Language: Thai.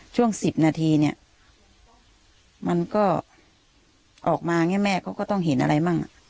ช่วงสิบนาทีเนี้ยมันก็ออกมาแม่เขาก็ต้องเห็นอะไรบ้าง